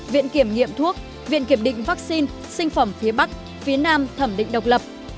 viện kiểm nghiệm thuốc viện kiểm định vaccine sinh phẩm phía bắc phía nam thẩm định độc lập